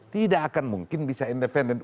tidak akan mungkin bisa independen